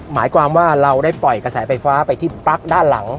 หมายความว่าเราได้ปล่อยกระแสไฟฟ้าไปที่ปลั๊กด้านหลัง